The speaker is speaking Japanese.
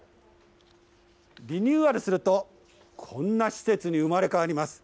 リニューアルすると、こんな施設に生まれ変わります。